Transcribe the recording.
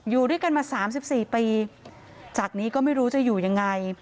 อยู่ด้วยกันมา๓๔ปีจากนี้ก็ไม่รู้จะอยู่ยังไง